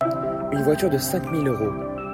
Une voiture de cinq mille euros.